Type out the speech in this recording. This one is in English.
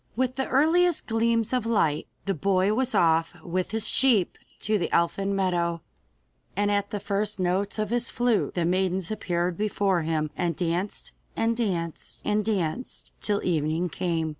With the earliest gleams of light, the boy was off with his sheep to the elfin meadow, and at the first notes of his flute the maidens appeared before him and danced and danced and danced till evening came.